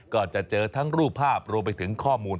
ก็จะเจอทั้งรูปภาพรวมไปถึงข้อมูล